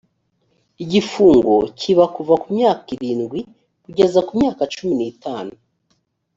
igifungo kiba kuva ku myaka irindwi kugera ku myaka cumi n’itanu